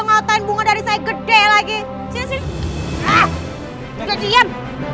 ngotain bunga dari saya gede lagi sih ah jajan